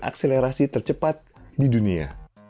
akselerasi tercepat di dunia